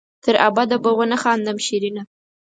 تر ابده به ونه خاندم شېرينه